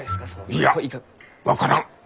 いや分からん！